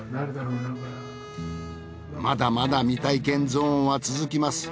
まだまだ未体験ゾーンは続きます。